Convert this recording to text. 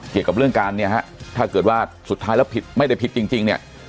เกี่ยวกับเรื่องการเนี่ยฮะถ้าเกิดว่าสุดท้ายแล้วผิดไม่ได้ผิดจริงเนี่ย